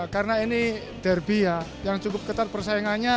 karena ini derby ya yang cukup ketat persaingannya